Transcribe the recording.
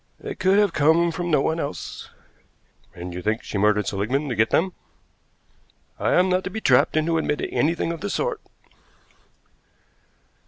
"They could have come from no one else." "And you think she murdered Seligmann to get them?" "I am not to be trapped into admitting anything of the sort."